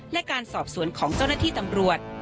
และการสอบสวนของเจ้าหน้าที่ตำรวจ